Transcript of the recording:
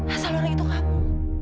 asal orang itu kamu